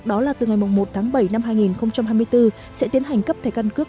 đó là từ ngày một tháng bảy năm hai nghìn hai mươi bốn sẽ tiến hành cấp thẻ căn cước